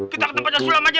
kita ke tempatnya sulam aja